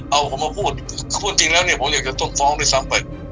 เอาผมมาพูดจริงแล้วเนี่ยผมอยากจะต้องฟ้องด้วยซ้ำไป